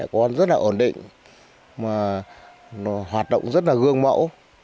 mẹ con rất là ổn định hoạt động rất là gương mẫu